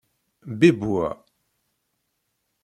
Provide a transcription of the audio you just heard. Bibb wa.